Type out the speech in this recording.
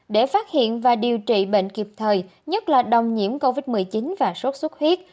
để phát hiện và điều trị bệnh kịp thời nhất là đồng nhiễm covid một mươi chín và sốt xuất huyết